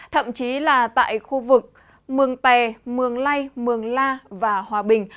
thậm chí là tại khu vực mường tè mường lây mường la và hòa bình